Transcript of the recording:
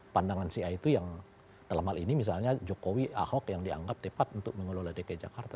pandangan si a itu yang dalam hal ini misalnya jokowi ahok yang dianggap tepat untuk mengelola dki jakarta